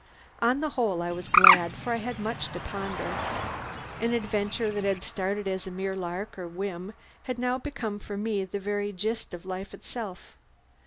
On the whole, I was glad; for I had much to ponder. An adventure that had started as a mere lark or whim had now become for me the very gist of life itself.